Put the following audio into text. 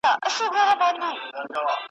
وئيل يې خو د ستورو دا ځنګل پري نه خبريږي .